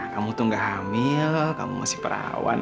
kamu tuh gak hamil kamu masih perawan